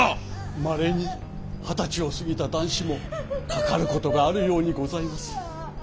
まれに二十歳を過ぎた男子もかかることがあるようにございます。